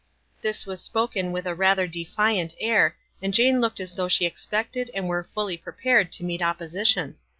This was spoken with rather a defiant air, and Jane looked as though she expected and were fully prepared to meet opposition.